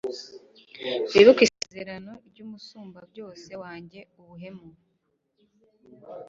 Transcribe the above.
wibuke isezerano ry'umusumbabyose, wange ubuhemu